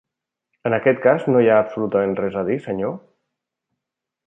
En aquest cas, no hi ha absolutament res a dir; senyor?